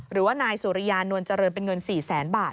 หรือว่านายสุริยานวลเจริญเป็นเงิน๔แสนบาท